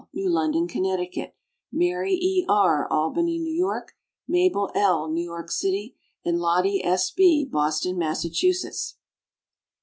New London, Connecticut; Mary E. R., Albany, New York; Mabel L., New York city; and Lottie S. B., Boston, Massachusetts.